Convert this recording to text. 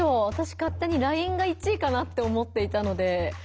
わたし勝手にＬＩＮＥが１位かなって思っていたので。